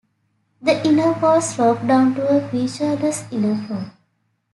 The inner walls slope down to a featureless inner floor.